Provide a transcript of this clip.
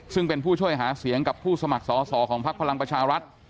ซึ่งเป็นผู้ช่วยหาเสียงกับผู้สมัครสอสอของพักพลังประชารัฐ